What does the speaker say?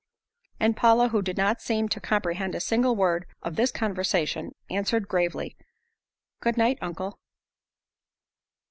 And Paula, who did not seem to comprehend a single word of this conversation, answered gravely, "Good night, uncle."